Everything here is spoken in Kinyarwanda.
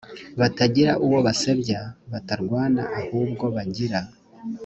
batagira uwo basebya batarwana ahubwo bagira